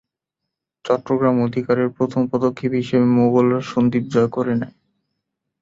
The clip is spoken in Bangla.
চট্টগ্রাম অধিকারের প্রথম পদক্ষেপ হিসেবে মুগলরা সন্দ্বীপ জয় করে নেয়।